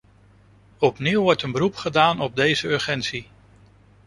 Opnieuw wordt een beroep gedaan op deze urgentie.